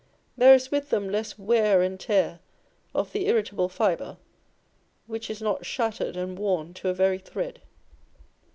There is with them less wear and tear of the irritable fibre, which is not shattered and worn to a very thread.